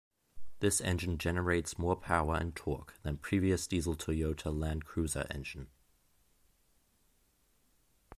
This engine generates more power and torque than previous diesel Toyota Land Cruiser engine.